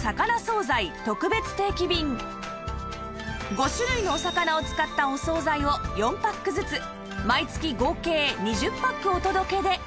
５種類のお魚を使ったお惣菜を４パックずつ毎月合計２０パックお届けで